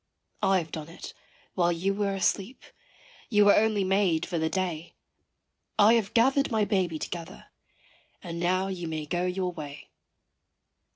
I have done it, while you were asleep you were only made for the day. I have gathered my baby together and now you may go your way.